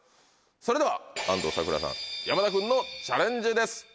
それでは安藤サクラさん山田君のチャレンジです。